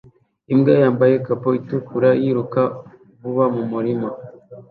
Imbwa yambaye cape itukura yiruka vuba mumurima